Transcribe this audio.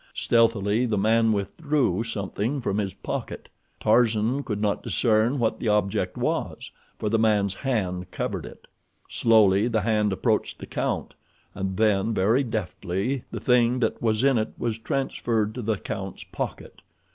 Stealthily the man withdrew something from his pocket. Tarzan could not discern what the object was, for the man's hand covered it. Slowly the hand approached the count, and then, very deftly, the thing that was in it was transferred to the count's pocket.